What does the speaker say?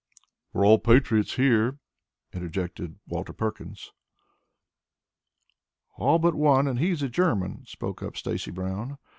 "We are all patriots here," interjected Walter Perkins. "All but one and he's a German," spoke up Stacy Brown.